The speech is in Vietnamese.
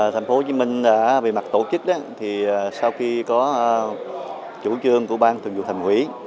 thành phố hồ chí minh đã về mặt tổ chức sau khi có chủ trương của ban thường dụ thành quỹ